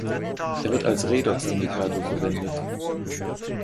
Er wird als Redox-Indikator verwendet.